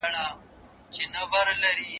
پلار به غرمه بازار ته ولاړ شي.